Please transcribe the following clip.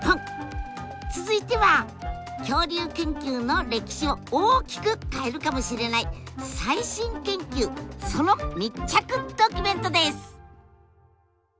続いては恐竜研究の歴史を大きく変えるかもしれない最新研究その密着ドキュメントです！